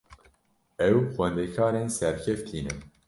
Ew xwendekarên serkeftî ne.